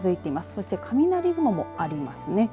そして雷雲もありますね。